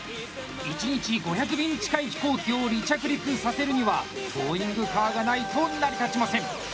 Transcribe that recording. １日５００便近い飛行機を離着陸させるにはトーイングカーがないと成り立ちません。